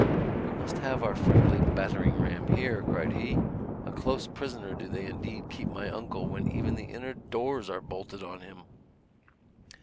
"We must have our friendly battering ram here," cried he; "a close prisoner do they indeed keep my uncle when even the inner doors are bolted on him."